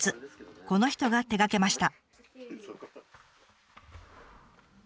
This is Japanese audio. この人が手がけました。